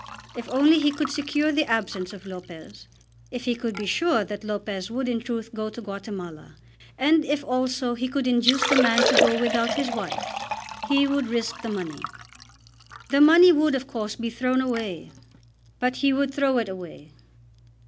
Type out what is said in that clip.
If only he could secure the absence of Lopez, if he could be sure that Lopez would in truth go to Guatemala, and if also he could induce the man to go without his wife, he would risk the money. The money would, of course, be thrown away, but he would throw it away.